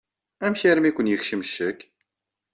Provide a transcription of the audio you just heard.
Amek armi i ken-yekcem ccek?